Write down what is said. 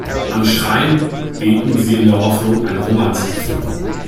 Am Schrein beten sie in der Hoffnung, eine Romanze zu finden.